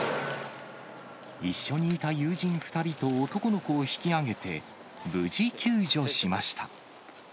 一緒にいた友人２人と男の子を引き上げて、無事救助しました。